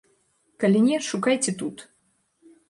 Калі не, шукайце тут!